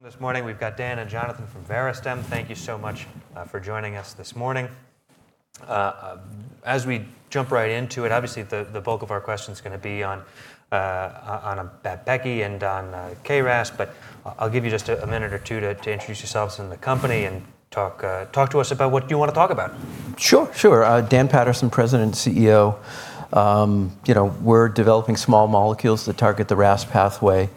This morning we've got Dan and Jonathan from Verastem. Thank you so much for joining us this morning. As we jump right into it, obviously the bulk of our questions are going to be on AVMAPKI pathway and on KRAS, but I'll give you just a minute or two to introduce yourselves and the company and talk to us about what you want to talk about. Sure, sure. Dan Paterson, President and CEO. You know, we're developing small molecules that target the RAS pathway.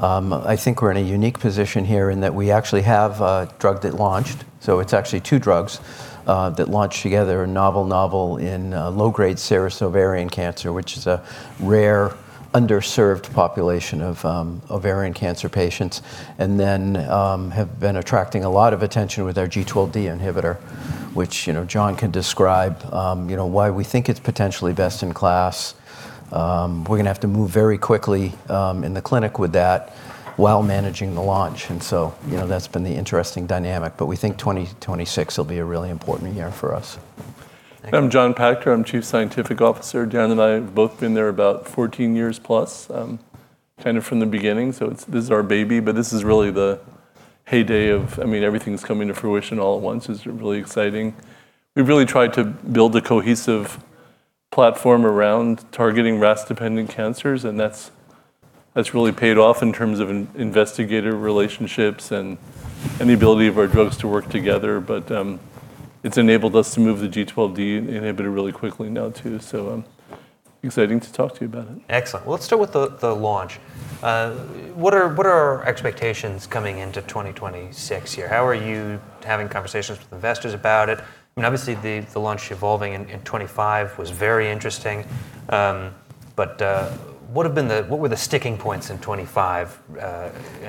I think we're in a unique position here in that we actually have a drug that launched, so it's actually two drugs that launched together: avutometinib in low-grade serous ovarian cancer, which is a rare, underserved population of ovarian cancer patients, and then have been attracting a lot of attention with our G12D inhibitor, which, you know, John can describe, you know, why we think it's potentially best in class. We're going to have to move very quickly in the clinic with that while managing the launch, and you know, that's been the interesting dynamic, but we think 2026 will be a really important year for us. I'm John Pachter, I'm Chief Scientific Officer. John and I have both been there about 14+ years, kind of from the beginning, so this is our baby, but this is really the heyday of, I mean, everything's coming to fruition all at once is really exciting. We've really tried to build a cohesive platform around targeting RAS-dependent cancers, and that's really paid off in terms of investigator relationships and the ability of our drugs to work together, but it's enabled us to move the G12D inhibitor really quickly now too, so exciting to talk to you about it. Excellent. Let's start with the launch. What are our expectations coming into 2026 here? How are you having conversations with investors about it? I mean, obviously the launch evolving in 2025 was very interesting, but what have been the, what were the sticking points in 2025?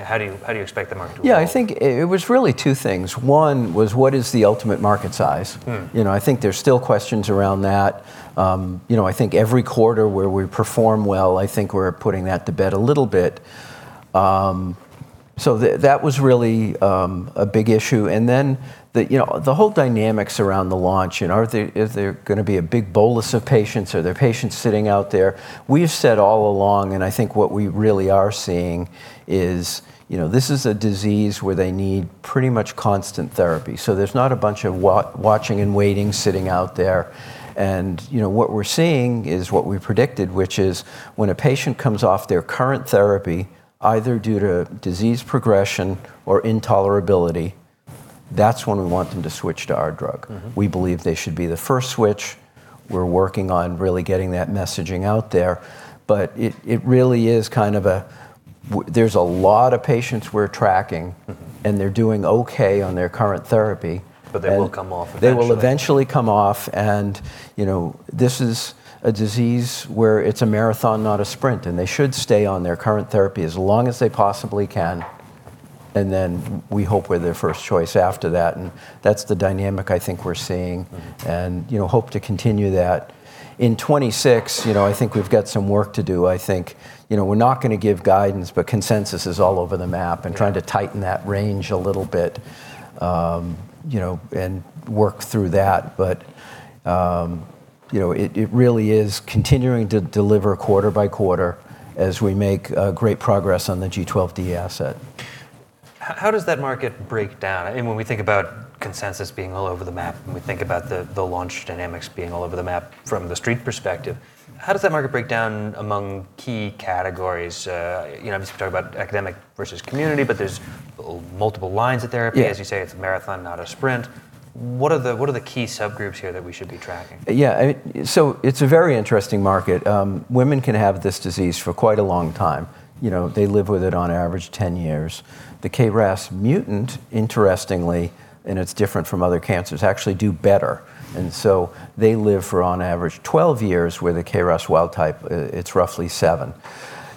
How do you expect the market to evolve? Yeah, I think it was really two things. One was what is the ultimate market size? You know, I think there's still questions around that. You know, I think every quarter where we perform well, I think we're putting that to bed a little bit. That was really a big issue. The, you know, the whole dynamics around the launch, you know, is there going to be a big bolus of patients? Are there patients sitting out there? We've said all along, and I think what we really are seeing is, you know, this is a disease where they need pretty much constant therapy, so there's not a bunch of watching and waiting sitting out there. You know, what we're seeing is what we predicted, which is when a patient comes off their current therapy, either due to disease progression or intolerability, that's when we want them to switch to our drug. We believe they should be the first switch. We're working on really getting that messaging out there, but it really is kind of a, there's a lot of patients we're tracking and they're doing okay on their current therapy. They will come off eventually. They will eventually come off, and, you know, this is a disease where it's a marathon, not a sprint, and they should stay on their current therapy as long as they possibly can, and then we hope we're their first choice after that, and that's the dynamic I think we're seeing, and, you know, hope to continue that. In 2026, you know, I think we've got some work to do. I think, you know, we're not going to give guidance, but consensus is all over the map and trying to tighten that range a little bit, you know, and work through that, but, you know, it really is continuing to deliver quarter by quarter as we make great progress on the G12D asset. How does that market break down? When we think about consensus being all over the map, and we think about the launch dynamics being all over the map from the street perspective, how does that market break down among key categories? You know, obviously we talk about academic versus community, but there are multiple lines of therapy. As you say, it is a marathon, not a sprint. What are the key subgroups here that we should be tracking? Yeah, I mean, so it's a very interesting market. Women can have this disease for quite a long time. You know, they live with it on average 10 years. The KRAS mutant, interestingly, and it's different from other cancers, actually do better, and so they live for on average 12 years, where the KRAS wild type, it's roughly seven.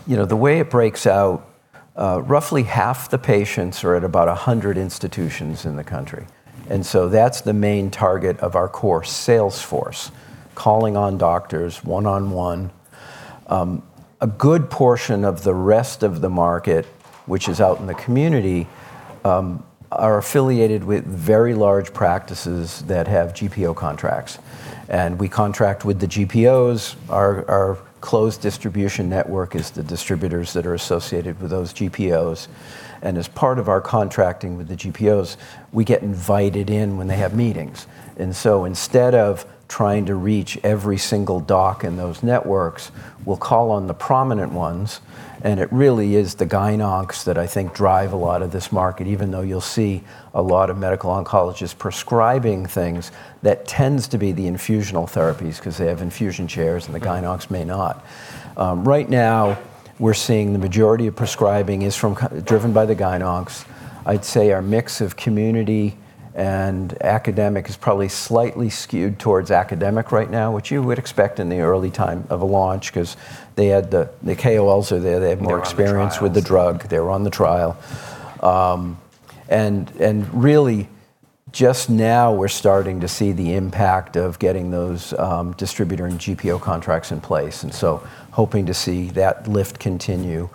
You know, the way it breaks out, roughly half the patients are at about 100 institutions in the country, and so that's the main target of our core sales force, calling on doctors one-on-one. A good portion of the rest of the market, which is out in the community, are affiliated with very large practices that have GPO contracts, and we contract with the GPOs. Our closed distribution network is the distributors that are associated with those GPOs, and as part of our contracting with the GPOs, we get invited in when they have meetings. Instead of trying to reach every single doc in those networks, we'll call on the prominent ones, and it really is the GynOnc that I think drive a lot of this market, even though you'll see a lot of medical oncologists prescribing things that tends to be the infusional therapies because they have infusion chairs and the GynOnc may not. Right now we're seeing the majority of prescribing is driven by the GynOnc. I'd say our mix of community and academic is probably slightly skewed towards academic right now, which you would expect in the early time of a launch because the KOLs are there, they have more experience with the drug, they're on the trial, and really just now we're starting to see the impact of getting those distributor and GPO contracts in place, and hoping to see that lift continue.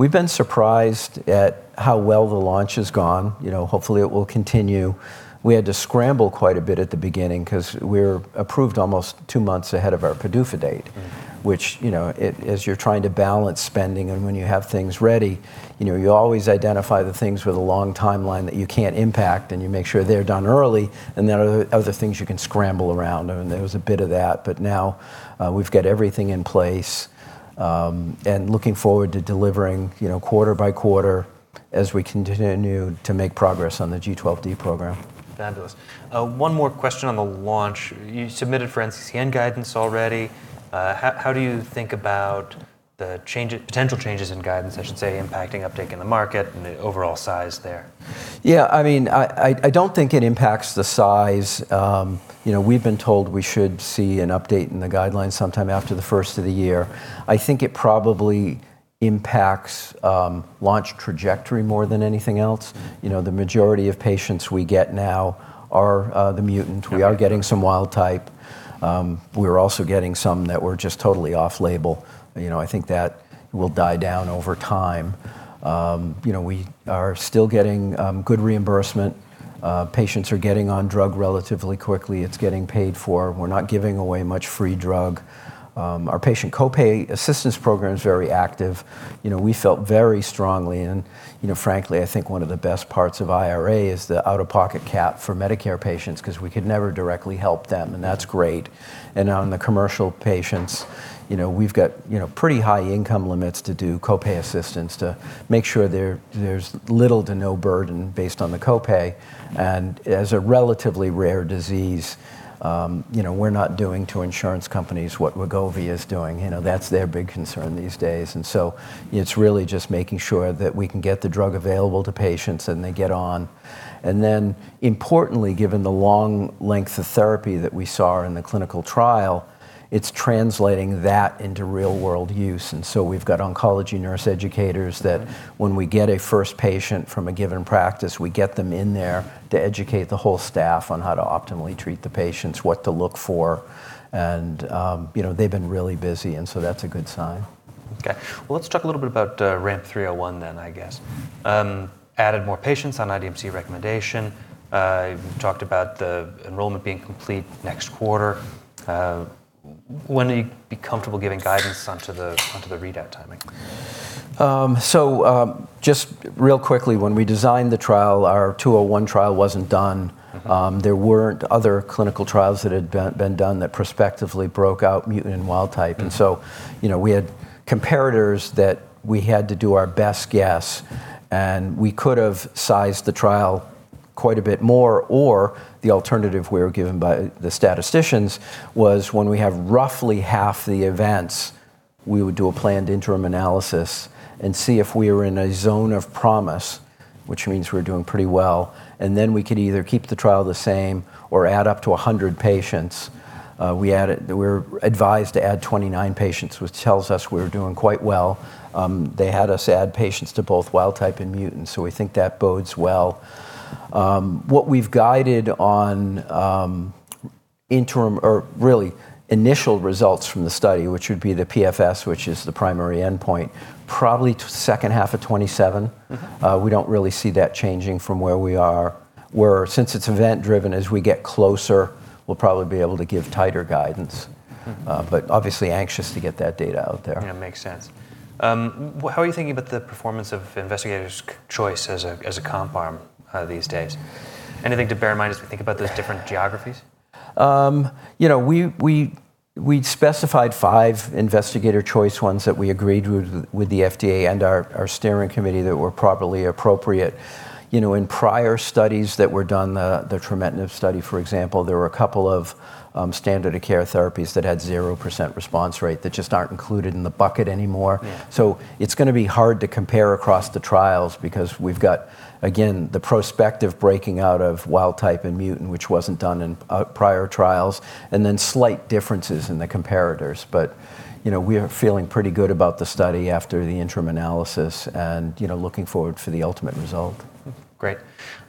We've been surprised at how well the launch has gone. You know, hopefully it will continue. We had to scramble quite a bit at the beginning because we're approved almost two months ahead of our PDUFA date, which, you know, as you're trying to balance spending and when you have things ready, you know, you always identify the things with a long timeline that you can't impact and you make sure they're done early, and then there are other things you can scramble around, and there was a bit of that, but now we've got everything in place and looking forward to delivering, you know, quarter by quarter as we continue to make progress on the G12D program. Fabulous. One more question on the launch. You submitted for NCCN guidance already. How do you think about the potential changes in guidance, I should say, impacting uptake in the market and the overall size there? Yeah, I mean, I don't think it impacts the size. You know, we've been told we should see an update in the guidelines sometime after the first of the year. I think it probably impacts launch trajectory more than anything else. You know, the majority of patients we get now are the mutant. We are getting some wild type. We're also getting some that were just totally off-label. You know, I think that will die down over time. You know, we are still getting good reimbursement. Patients are getting on drug relatively quickly. It's getting paid for. We're not giving away much free drug. Our patient copay assistance program is very active. You know, we felt very strongly and, you know, frankly, I think one of the best parts of IRA is the out-of-pocket cap for Medicare patients because we could never directly help them, and that's great. On the commercial patients, you know, we've got, you know, pretty high income limits to do copay assistance to make sure there's little to no burden based on the copay, and as a relatively rare disease, you know, we're not doing to insurance companies what Wegovy is doing. You know, that's their big concern these days, and so it's really just making sure that we can get the drug available to patients and they get on. Importantly, given the long length of therapy that we saw in the clinical trial, it is translating that into real-world use, and we have oncology nurse educators that when we get a first patient from a given practice, we get them in there to educate the whole staff on how to optimally treat the patients, what to look for, and, you know, they have been really busy, and so that is a good sign. Okay. Let's talk a little bit about RAMP 301 then, I guess. Added more patients on IDMC recommendation. You talked about the enrollment being complete next quarter. When do you be comfortable giving guidance onto the readout timing? Just real quickly, when we designed the trial, our 201 trial wasn't done. There weren't other clinical trials that had been done that prospectively broke out mutant and wild type, and so, you know, we had comparators that we had to do our best guess, and we could have sized the trial quite a bit more, or the alternative we were given by the statisticians was when we have roughly half the events, we would do a planned interim analysis and see if we were in a zone of promise, which means we're doing pretty well, and then we could either keep the trial the same or add up to 100 patients. We were advised to add 29 patients, which tells us we're doing quite well. They had us add patients to both wild type and mutant, so we think that bodes well. What we've guided on interim, or really initial results from the study, which would be the PFS, which is the primary endpoint, probably second half of 2027. We don't really see that changing from where we are. Where since it's event-driven, as we get closer, we'll probably be able to give tighter guidance, but obviously anxious to get that data out there. Yeah, makes sense. How are you thinking about the performance of investigators' choice as a comp arm these days? Anything to bear in mind as we think about those different geographies? You know, we specified five investigator choice ones that we agreed with the FDA and our steering committee that were properly appropriate. You know, in prior studies that were done, the trametinib study, for example, there were a couple of standard of care therapies that had 0% response rate that just aren't included in the bucket anymore. It's going to be hard to compare across the trials because we've got, again, the prospective breaking out of wild type and mutant, which wasn't done in prior trials, and then slight differences in the comparators, but, you know, we are feeling pretty good about the study after the interim analysis and, you know, looking forward for the ultimate result. Great.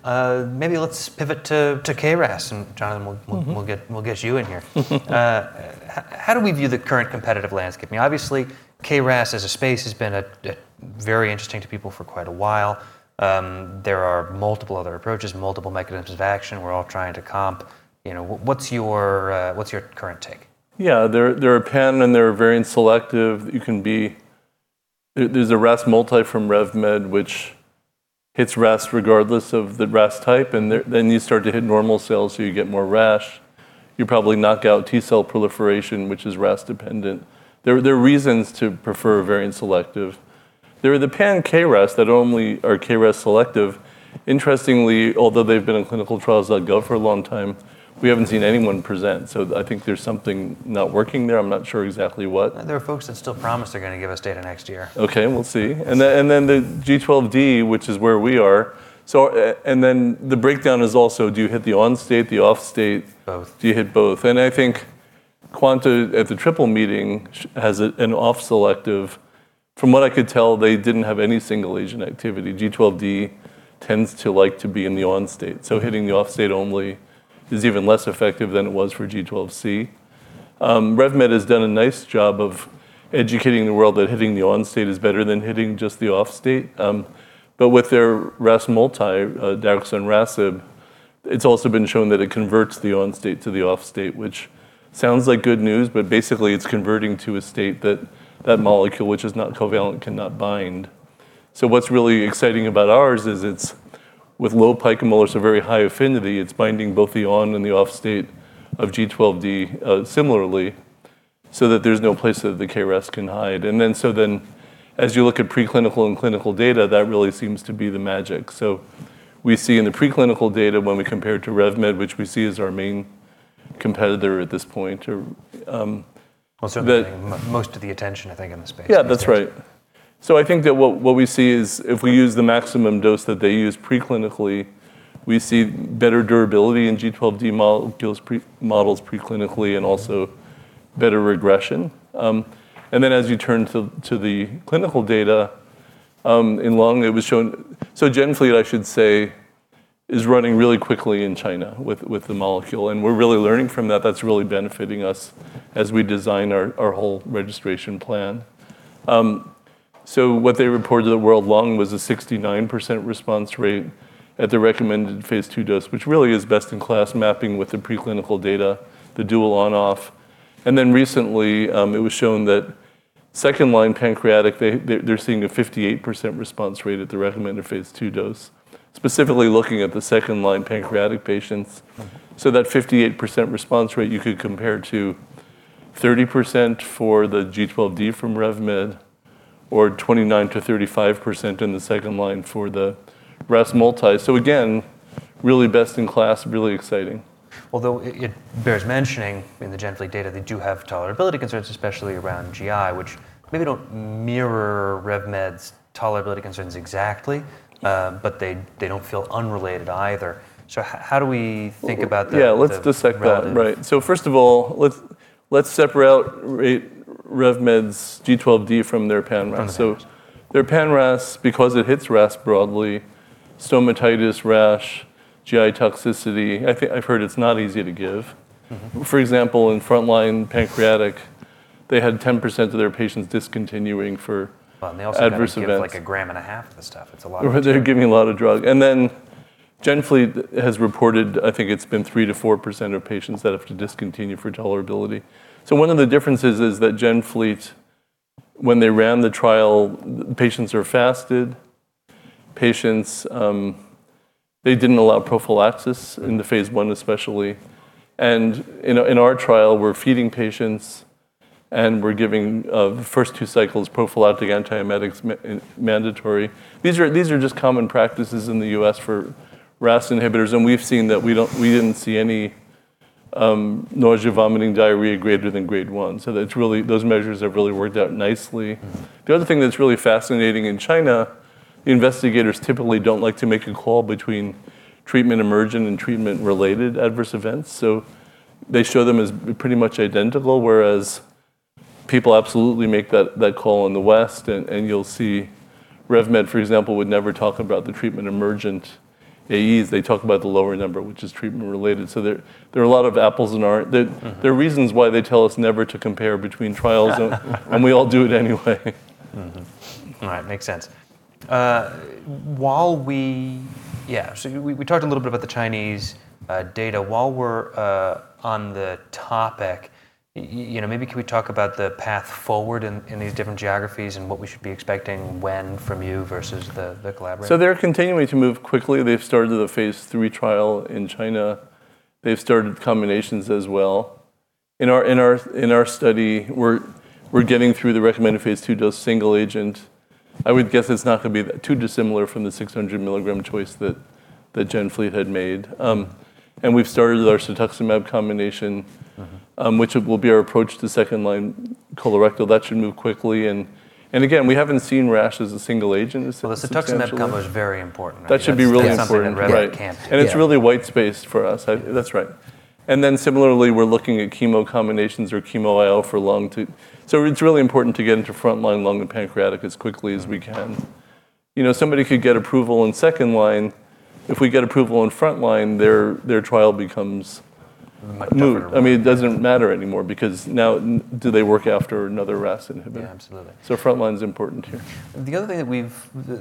Maybe let's pivot to KRAS, and John, we'll get you in here. How do we view the current competitive landscape? I mean, obviously KRAS as a space has been very interesting to people for quite a while. There are multiple other approaches, multiple mechanisms of action. We're all trying to comp, you know, what's your current take? Yeah, there are pan and there are variant selective. You can be, there's a RAS multi from RevMed, which hits RAS regardless of the RAS type, and then you start to hit normal cells, so you get more RAS. You probably knock out T cell proliferation, which is RAS dependent. There are reasons to prefer variant selective. There are the pan KRAS that only are KRAS selective. Interestingly, although they've been in clinical trials that go for a long time, we haven't seen anyone present, so I think there's something not working there. I'm not sure exactly what. There are folks that still promise they're going to give us data next year. Okay, we'll see. Then the G12D, which is where we are. The breakdown is also, do you hit the on-state, the off-state? Both. Do you hit both? I think Quanta at the triple meeting has an off-selective. From what I could tell, they didn't have any single agent activity. G12D tends to like to be in the on-state, so hitting the off-state only is even less effective than it was for G12C. RevMed has done a nice job of educating the world that hitting the on-state is better than hitting just the off-state, but with their RAS multi daraxonrasib, it's also been shown that it converts the on-state to the off-state, which sounds like good news, but basically it's converting to a state that that molecule, which is not covalent, cannot bind. What's really exciting about ours is it's with low picomolar, so very high affinity, it's binding both the on and the off-state of G12D similarly, so that there's no place that the KRAS can hide. As you look at preclinical and clinical data, that really seems to be the magic. We see in the preclinical data when we compare it to RevMed, which we see as our main competitor at this point. Also getting most of the attention, I think, in the space. Yeah, that's right. I think that what we see is if we use the maximum dose that they use preclinically, we see better durability in G12D models preclinically and also better regression. As you turn to the clinical data, in lung, it was shown, so generally I should say, is running really quickly in China with the molecule, and we're really learning from that. That's really benefiting us as we design our whole registration plan. What they reported to the world in lung was a 69% response rate at the recommended phase II dose, which really is best in class mapping with the preclinical data, the dual on-off. Recently it was shown that in second line pancreatic, they're seeing a 58% response rate at the recommended phase II dose, specifically looking at the second line pancreatic patients. That 58% response rate you could compare to 30% for the G12D from RevMed or 29%-35% in the second line for the RAS mutant. Again, really best in class, really exciting. Although it bears mentioning in the GenFleet data, they do have tolerability concerns, especially around GI, which maybe don't mirror RevMed's tolerability concerns exactly, but they don't feel unrelated either. How do we think about that? Yeah, let's dissect that. Right. First of all, let's separate out RevMed's G12D from their pan RAS. Their pan RAS, because it hits RAS broadly, stomatitis, rash, GI toxicity, I've heard it's not easy to give. For example, in frontline pancreatic, they had 10% of their patients discontinuing for adverse events. They also give like a gram and a half of this stuff. It's a lot of. They're giving a lot of drug. Gently has reported, I think it's been 3%-4% of patients that have to discontinue for tolerability. One of the differences is that GenFleet, when they ran the trial, patients are fasted. Patients, they didn't allow prophylaxis in the phase I especially. In our trial, we're feeding patients and we're giving the first two cycles prophylactic antiemetics mandatory. These are just common practices in the U.S. for RAS inhibitors, and we've seen that we didn't see any nausea, vomiting, diarrhea greater than grade one. Those measures have really worked out nicely. The other thing that's really fascinating in China, investigators typically don't like to make a call between treatment emergent and treatment related adverse events, so they show them as pretty much identical, whereas people absolutely make that call in the West, and you'll see RevMed, for example, would never talk about the treatment emergent AEs. They talk about the lower number, which is treatment related. There are a lot of apples and oranges. There are reasons why they tell us never to compare between trials, and we all do it anyway. All right, makes sense. While we, yeah, so we talked a little bit about the Chinese data. While we're on the topic, you know, maybe can we talk about the path forward in these different geographies and what we should be expecting when from you versus the collaborator? They're continuing to move quickly. They've started a phase III trial in China. They've started combinations as well. In our study, we're getting through the recommended phase II dose single agent. I would guess it's not going to be too dissimilar from the 600 mg choice that GenFleet had made. We've started our cetuximab combination, which will be our approach to second line colorectal. That should move quickly. Again, we haven't seen [rash] as a single agent. The cetuximab combo is very important. That should be really important for everyone. It is really white space for us. That's right. Similarly, we're looking at chemo combinations or chemo-IO for lung too. It is really important to get into frontline lung, to pancreatic, as quickly as we can. You know, somebody could get approval in second line. If we get approval in frontline, their trial becomes new. I mean, it does not matter anymore because now do they work after another RAS inhibitor? Yeah, absolutely. Frontline is important here. The other thing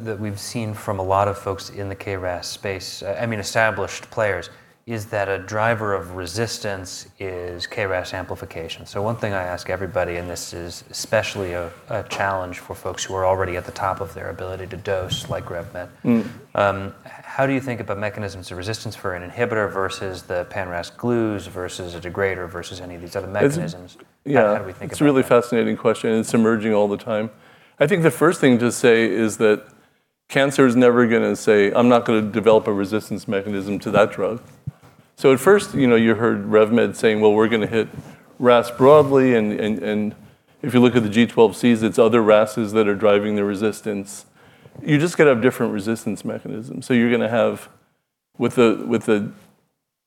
that we've seen from a lot of folks in the KRAS space, I mean, established players, is that a driver of resistance is KRAS amplification. One thing I ask everybody, and this is especially a challenge for folks who are already at the top of their ability to dose like RevMed, how do you think about mechanisms of resistance for an inhibitor versus the pan-RAS glues versus a degrader versus any of these other mechanisms? How do we think about that? It's a really fascinating question, and it's emerging all the time. I think the first thing to say is that cancer is never going to say, "I'm not going to develop a resistance mechanism to that drug." At first, you know, you heard RevMed saying, "Well, we're going to hit RAS broadly," and if you look at the G12Cs, it's other RASes that are driving the resistance. You just get a different resistance mechanism. You're going to have with the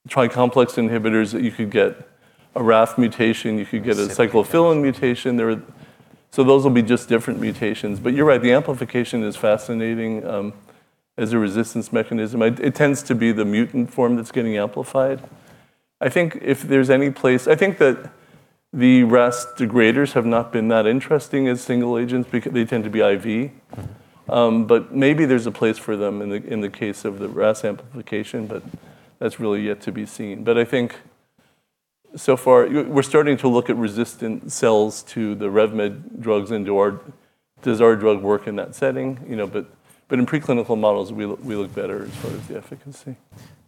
tri-complex inhibitors, you could get a RAS mutation, you could get a cyclophilin mutation. Those will be just different mutations. You're right, the amplification is fascinating as a resistance mechanism. It tends to be the mutant form that's getting amplified. I think if there's any place, I think that the RAS degraders have not been that interesting as single agents because they tend to be IV, but maybe there's a place for them in the case of the RAS amplification, but that's really yet to be seen. I think so far we're starting to look at resistant cells to the RevMed drugs and does our drug work in that setting, you know, but in preclinical models, we look better as far as the efficacy.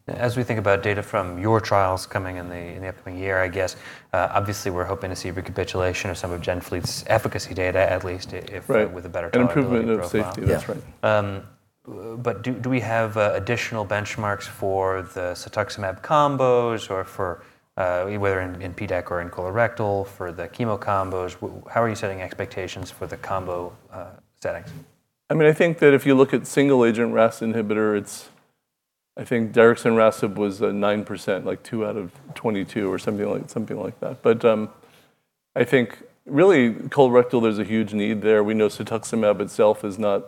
As we think about data from your trials coming in the upcoming year, I guess, obviously we're hoping to see recapitulation of some of GenFleet's efficacy data, at least with a better tolerability. Right, improvement of safety, that's right. Do we have additional benchmarks for the cetuximab combos or for whether in PDEC or in colorectal for the chemo combos? How are you setting expectations for the combo settings? I mean, I think that if you look at single agent RAS inhibitor, it's, I think daraxonrasib was a 9%, like 2 out of 22 or something like that. I think really colorectal, there's a huge need there. We know cetuximab itself is not,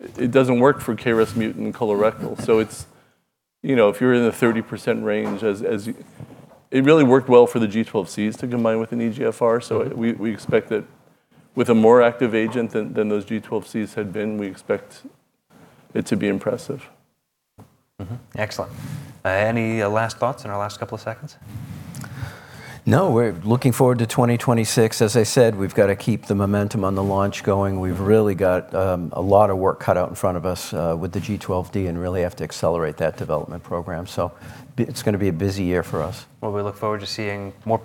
it doesn't work for KRAS mutant colorectal. It's, you know, if you're in the 30% range, it really worked well for the G12Cs to combine with an EGFR. We expect that with a more active agent than those G12Cs had been, we expect it to be impressive. Excellent. Any last thoughts in our last couple of seconds? No, we're looking forward to 2026. As I said, we've got to keep the momentum on the launch going. We've really got a lot of work cut out in front of us with the G12D and really have to accelerate that development program. It is going to be a busy year for us. We look forward to seeing more.